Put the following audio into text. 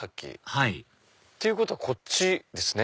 はいっていうことはこっちですね。